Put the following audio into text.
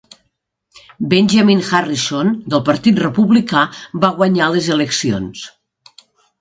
Benjamin Harrison del Partit Republicà va guanyar les eleccions.